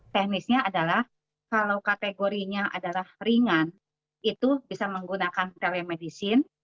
teknisnya adalah kalau kategorinya adalah ringan itu bisa menggunakan telemedicine